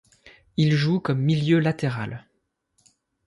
Il joue comme milieu latéral.